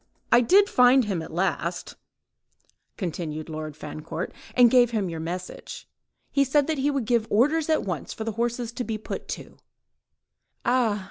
"I did find him at last," continued Lord Fancourt, "and gave him your message. He said that he would give orders at once for the horses to be put to." "Ah!"